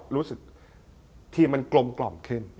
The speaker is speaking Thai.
รู้สึกทีมมันกลมกล่อมขึ้น